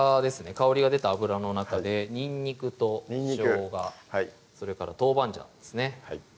香りが出た油の中でにんにくとしょうがそれから豆板醤ですね